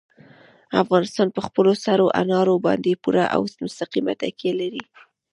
افغانستان په خپلو سرو انارو باندې پوره او مستقیمه تکیه لري.